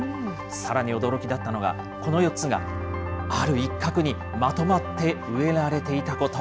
さらに驚きだったのが、この４つがある一角にまとまって植えられていたこと。